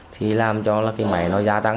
thì làm cho cái máy nó gia tăng